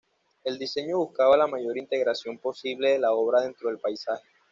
El diseño buscaba la mayor integración posible de la obra dentro del paisaje.